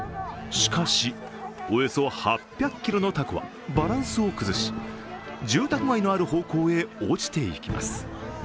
しかし、およそ８００ｋｇの凧はバランスを崩し、住宅街のある方向へ落ちていきます。